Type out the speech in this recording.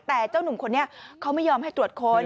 แต่เจ้าหนุ่มคนนี้เขาไม่ยอมให้ตรวจค้น